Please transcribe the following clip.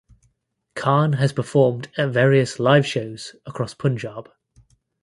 Khan has performed at various live shows across Punjab.